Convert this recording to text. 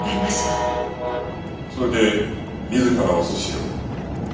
それで自らお寿司を？